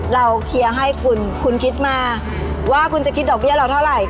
เราเคลียร์ให้คุณคุณคิดมาว่าคุณจะคิดดอกเบี้ยเราเท่าไหร่